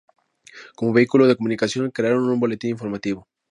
Como vehículo de comunicación crearán un "Boletín Informativo".